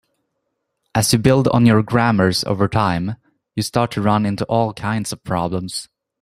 As you build on your grammars over time, you start to run into all kinds of problems.